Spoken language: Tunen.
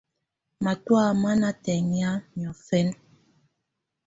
Matɔ̀á má ná tɛŋɛ̀á niɔfɛna.